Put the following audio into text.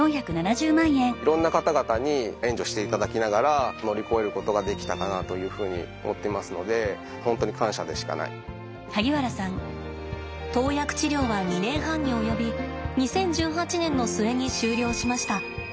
いろんな方々に援助していただきながら乗り越えることができたかなというふうに思っていますので投薬治療は２年半に及び２０１８年の末に終了しました。